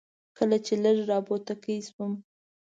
کله چې لږ را بوتکی شوم.